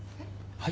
はい？